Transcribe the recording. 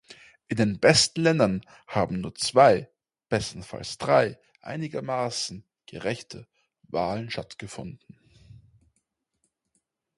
In den besten Ländern haben nur zwei, bestenfalls drei einigermaßen gerechte Wahlen stattgefunden.